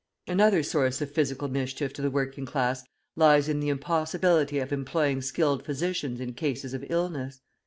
Another source of physical mischief to the working class lies in the impossibility of employing skilled physicians in cases of illness.